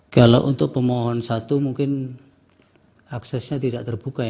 kalau untuk pemohon satu mungkin aksesnya tidak terbuka ya